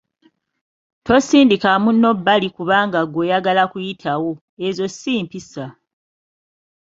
Tosindika munno bbali kubanga ggwe oyagala kuyitawo, ezo si mpisa.